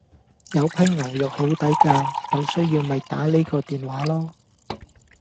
有批牛肉好抵架，有需要咪打呢個電話囉